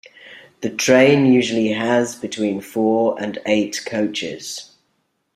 The train usually has between four and eight coaches.